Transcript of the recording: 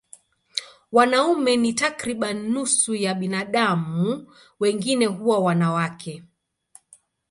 Wanaume ni takriban nusu ya binadamu, wengine huwa wanawake.